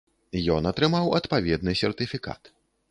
Ён атрымаў адпаведны сертыфікат.